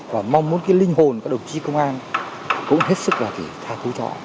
và mong muốn cái linh hồn của các đồng chí công an cũng hết sức là phải tha thứ cho họ